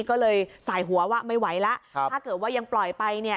ก็เลยสายหัวว่าไม่ไหวแล้วถ้าเกิดว่ายังปล่อยไปเนี่ย